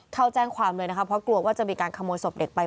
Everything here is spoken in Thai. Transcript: เข้าแจ้งความเลยนะคะเพราะกลัวว่าจะมีการขโมยศพเด็กไป